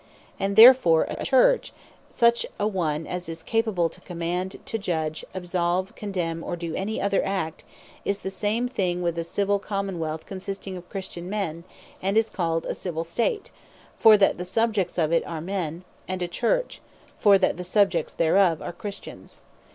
And therefore a Church, such as one as is capable to Command, to Judge, Absolve, Condemn, or do any other act, is the same thing with a Civil Common wealth, consisting of Christian men; and is called a Civill State, for that the subjects of it are Men; and a Church, for that the subjects thereof are Christians.